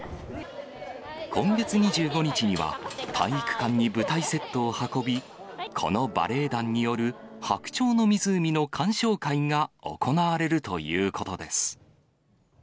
今月２５日には、体育館に舞台セットを運び、このバレエ団による白鳥の湖の鑑賞会が行われるということです。